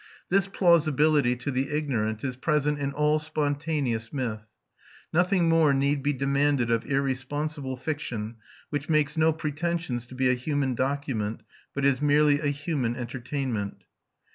This plausibility to the ignorant is present in all spontaneous myth. Nothing more need be demanded of irresponsible fiction, which makes no pretensions to be a human document, but is merely a human entertainment.